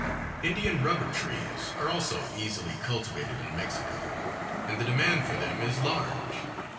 Indian rubber trees are also easily cultivated in Mexico, and the demand for them is large.